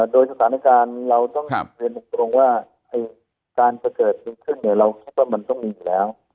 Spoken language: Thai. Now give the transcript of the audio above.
โดยสถานการณ์เราต้องเรียนตรงว่าการจะเกิดขึ้นเราคิดว่ามันต้องมีอยู่แล้ว